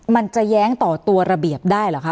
มันจะแย้งต่อตัวระเบียบได้เหรอคะ